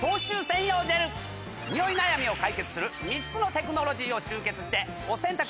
ニオイ悩みを解決する３つのテクノロジーを集結してお洗濯の。